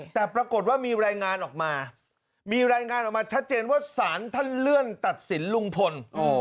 แต่ปรากฏว่ามีรายงานออกมามีรายงานออกมาชัดเจนว่าสารท่านเลื่อนตัดสินลุงพล